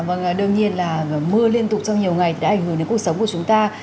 vâng đương nhiên là mưa liên tục trong nhiều ngày đã ảnh hưởng đến cuộc sống của chúng ta